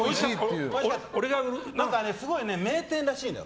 すごいね、名店らしいのよ。